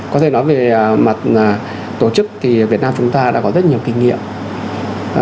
có thể nói về mặt tổ chức thì việt nam chúng ta đã có rất nhiều kinh nghiệm